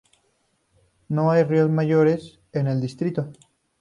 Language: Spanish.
No hay ríos mayores en el distrito.